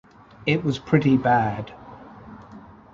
It was pretty bad.